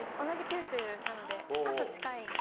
同じ九州なのでちょっと近い。